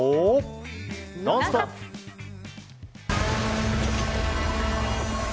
「ノンストップ！」。